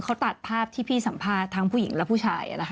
เขาตัดภาพที่พี่สัมภาษณ์ทั้งผู้หญิงและผู้ชาย